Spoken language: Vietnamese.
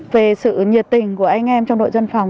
về sự nhiệt tình của anh em trong đội dân phòng